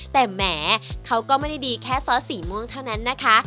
แต่แหมเขาก็ไม่ได้ดีแค่ซอสสีม่วงเท่านั้นนะคะ